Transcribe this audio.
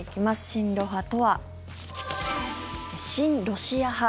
親ロ派とは親ロシア派。